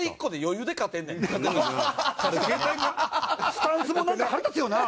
スタンスもなんか腹立つよな。